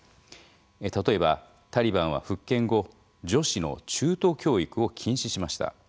例えばタリバンは復権後女子の中等教育を禁止しました。